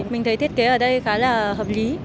mình thấy thiết kế ở đây khá là hợp lý